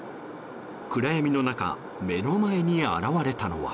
暗闇の中目の前に現れたのは。